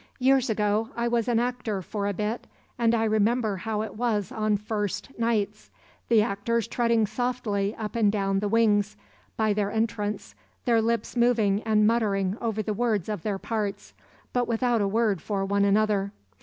Years ago, I was an actor for a bit, and I remember how it was on first nights; the actors treading softly up and down the wings, by their entrance, their lips moving and muttering over the words of their parts, but without a word for one another.